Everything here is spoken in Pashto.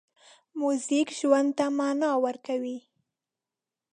موزیک ژوند ته مانا ورکوي.